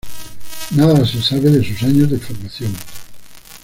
Nada se sabe de sus años de formación.